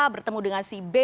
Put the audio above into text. bertemu dengan si b